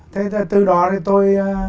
thế từ đó thì tôi